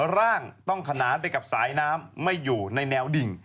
ร่างต้องขนานไปกับสายน้ำไม่อยู่ในแนวดิ่ง